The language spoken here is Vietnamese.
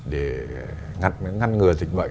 để ngăn ngừa dịch bệnh